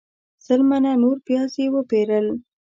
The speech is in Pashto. سل منه نور پیاز یې وپیرل.